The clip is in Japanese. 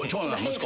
息子。